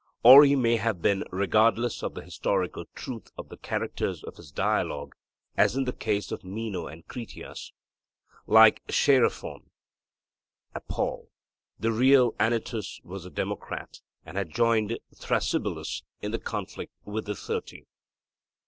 Or he may have been regardless of the historical truth of the characters of his dialogue, as in the case of Meno and Critias. Like Chaerephon (Apol.) the real Anytus was a democrat, and had joined Thrasybulus in the conflict with the thirty.